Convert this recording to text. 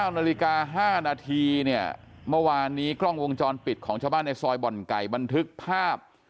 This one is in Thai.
๙นาฬิกา๕นาทีเนี่ยเมื่อวานนี้กล้องวงจรปิดของชาวบ้านในซอยบ่อนไก่บันทึกภาพ